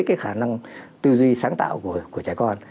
cái khả năng tư duy sáng tạo của trẻ con